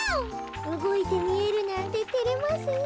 うごいてみえるなんててれますねえ。